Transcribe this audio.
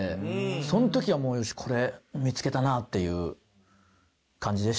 その時はこれ見付けたな！っていう感じでしたね。